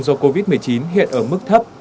do covid một mươi chín hiện ở mức thấp